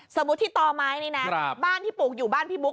สมมุติที่ต่อไม้นี่นะบ้านที่ปลูกอยู่บ้านพี่บุ๊